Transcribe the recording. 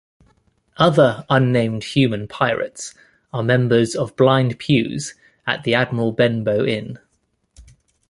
Other unnamed human pirates are members of Blind Pew's at the Admiral Benbow Inn.